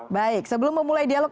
baik sebelum memulai dialog